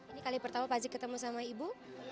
ini kali pertama pazi ketemu sama ibu